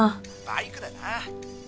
バイクだな。